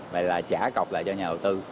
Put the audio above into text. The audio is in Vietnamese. vậy là trả cọc lại cho nhà đầu tư